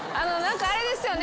あれですよね？